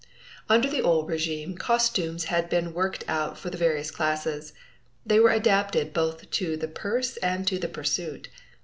Under the old régime costumes had been worked out for the various classes. They were adapted both to the purse and to the pursuit.